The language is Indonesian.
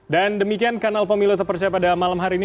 demikian kanal pemilu terpercaya pada malam hari ini